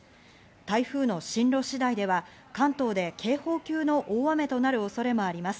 台風の進路次第では関東で警報級の大雨となる恐れもあります。